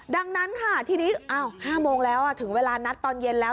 ดังนั้นค่ะทีนี้๕โมงแล้วถึงเวลานัดตอนเย็นแล้ว